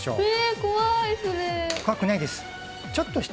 怖くないです。